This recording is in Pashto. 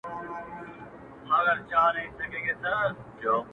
زه خاندم ؛ ته خاندې ؛ دى خاندي هغه هلته خاندي؛